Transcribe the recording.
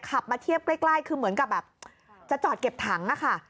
ขับมาเทียบใกล้คือเหมือนกับแบบจะจอดเก็บถังค่ะ